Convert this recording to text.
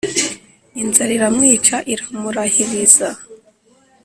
Inzara iramwica iramurahiriza